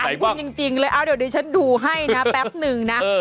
น่าสงสารคุณจริงเลยเอ้าเดี๋ยวดิฉันดูให้นะแป๊บหนึ่งนะ